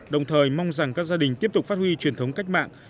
đồng thời mong rằng các gia đình tiếp tục phát huy truyền thống cách mạng